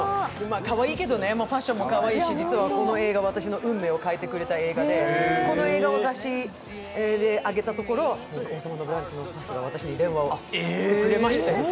かわいいけどね、ファッションもかわいいし、実はこの映画は私の運命を変えてくれた映画で、この映画を挙げたところ、私に電話をくれまして。